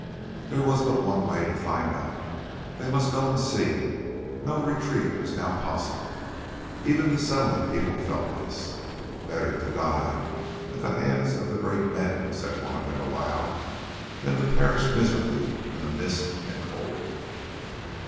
There was but one way to find out—they must go and see; no retreat was now possible. Even the Settlement people felt this. "Better to die at the hands of the Great Men," said one of them aloud, "than to perish miserably in the mist and cold."